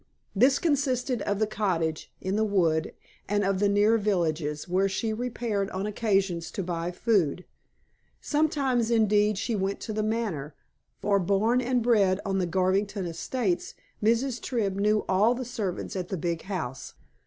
This consisted of the cottage, in the wood, and of the near villages, where she repaired on occasions to buy food. Sometimes, indeed, she went to The Manor, for, born and bred on the Garvington estates, Mrs. Tribb knew all the servants at the big house.